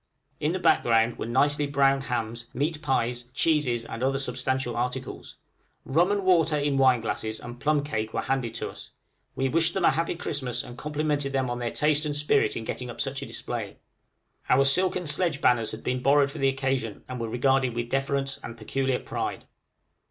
In the background were nicely browned hams, meat pies, cheeses, and other substantial articles. Rum and water in wine glasses, and plum cake, were handed to us: we wished them a happy Christmas, and complimented them on their taste and spirit in getting up such a display. Our silken sledge banners had been borrowed for the occasion, and were regarded with deference and peculiar pride.